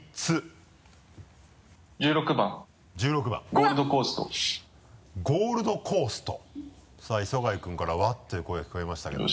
「ゴールド・コースト」「ゴールド・コースト」さぁ磯貝君から「うわ」という声が聞こえましたけども。